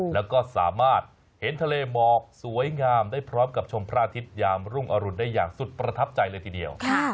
แล้วก็สามารถเห็นทะเลหมอกสวยงามได้พร้อมกับชมพระอาทิตยามรุ่งอรุณได้อย่างสุดประทับใจเลยทีเดียว